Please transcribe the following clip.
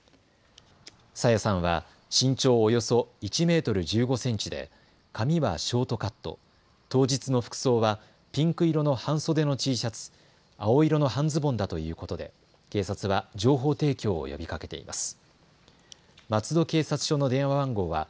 朝芽さんは身長およそ１メートル１５センチで髪はショートカット、当日の服装はピンク色の半袖のＴシャツ、青色の半ズボンだということで警察は情報提供を呼びかけています。